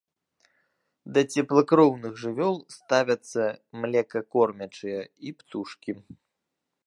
Да цеплакроўных жывёл ставяцца млекакормячыя і птушкі.